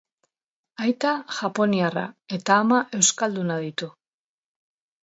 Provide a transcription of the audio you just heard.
Aita japoniarra eta ama euskalduna ditu.